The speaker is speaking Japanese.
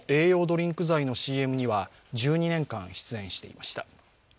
ドリンク剤のＣＭには１２年間出演していました。